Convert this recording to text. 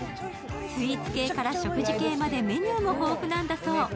スイーツ系から食事系までメニューも豊富なんだそう。